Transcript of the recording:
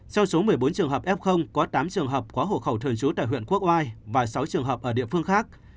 trong số một mươi bốn trường hợp f có tám trường hợp có hộ khẩu thường trú tại huyện quốc oai và sáu trường hợp ở địa phương khác